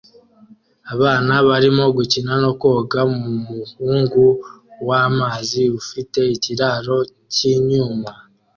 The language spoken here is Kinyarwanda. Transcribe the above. Abana barimo gukina no koga mumuhungu wamazi ufite ikiraro cyinyuma